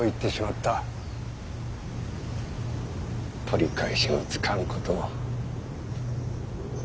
取り返しのつかんことを。